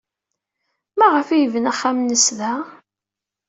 Maɣef ay yebna axxam-nnes da?